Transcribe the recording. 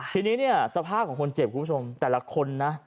ทีนี้เนี่ยสภาพของคนเจ็บคุณผู้ชมแต่ละคนนะ